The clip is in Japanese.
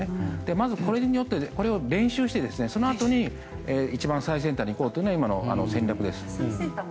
まずこれで練習してそのあとに一番最先端にいこうというのが今の戦略ですね。